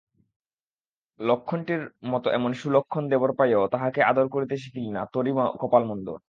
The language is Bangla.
লক্ষ্মণটির মতোএমন সুলক্ষণ দেবর পাইয়াও তাহাকে আদর করিতে শিখিলি না–তোরই কপাল মন্দ।